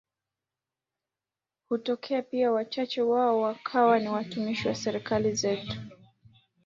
Hutokea pia wachache wao wakawa ni watumishi wa Serikali zetu